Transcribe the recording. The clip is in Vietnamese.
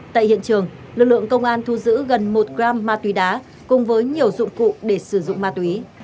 tại hiện trường lực lượng công an thu giữ gần một gram ma túy đá cùng với nhiều dụng cụ để sử dụng ma túy